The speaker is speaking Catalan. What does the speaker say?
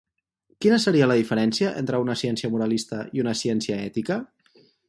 Quina seria la diferència entre una ciència moralista i una ciència ètica?